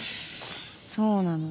「そうなの。